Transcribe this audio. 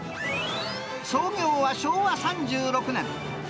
創業は昭和３６年。